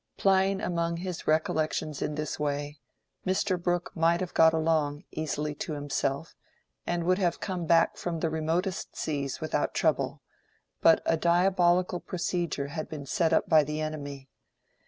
Plying among his recollections in this way, Mr. Brooke might have got along, easily to himself, and would have come back from the remotest seas without trouble; but a diabolical procedure had been set up by the enemy.